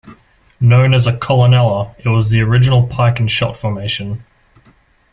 Known as a "colunella", it was the original pike and shot formation.